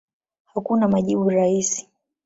Hakuna majibu rahisi.